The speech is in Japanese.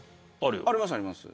ありますあります。